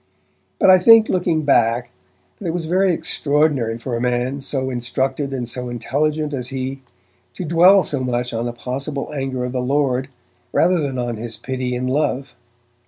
But I think, looking back, that it was very extraordinary for a man, so instructed and so intelligent as he, to dwell so much on the possible anger of the Lord, rather than on his pity and love.